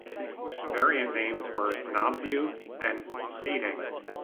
Variant names were "Knobview" and "Spading".